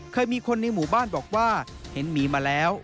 เคยมีคนในหมู่บ้านบอกว่าเห็นหมีมาแล้ว